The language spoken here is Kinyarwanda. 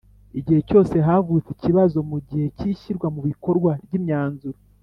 Igihe cyose havutse ikibazo mu gihe cy’ishyirwa mu bikorwa ry’imyanzuro